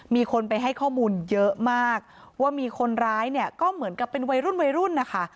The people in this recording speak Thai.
มีคนไปให้ข้อมูลเยอะมากว่ามีคนร้ายเนี่ยก็เหมือนกับเป็นวัยรุ่นวัยรุ่นนะคะ